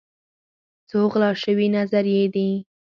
څو غلا شوي نظريې دي